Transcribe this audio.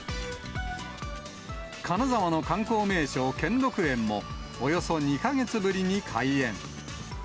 金沢の観光名所、兼六園も、およそ２か月ぶりに開園。